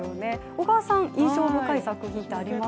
小川さん、印象深い作品ってあります？